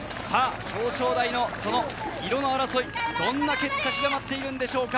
表彰台の２度の争い、どんな決着が待っているんでしょうか？